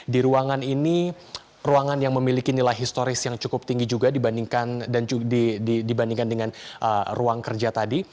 di ruangan ini ruangan yang memiliki nilai historis yang cukup tinggi juga dibandingkan dengan ruang kerja tadi